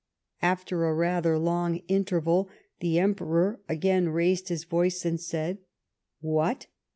After a rather long interval, the Emperor again raised his voice, and said :" "What